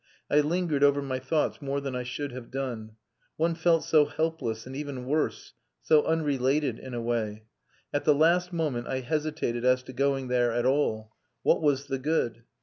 I lingered over my thoughts more than I should have done. One felt so helpless, and even worse so unrelated, in a way. At the last moment I hesitated as to going there at all. What was the good?